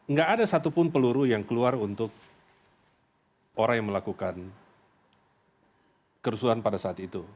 nggak ada satupun peluru yang keluar untuk orang yang melakukan kerusuhan pada saat itu